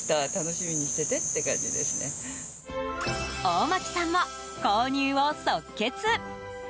大巻さんも購入を即決。